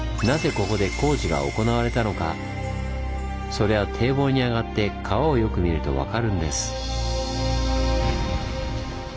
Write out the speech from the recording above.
それは堤防に上がって川をよく見ると分かるんです。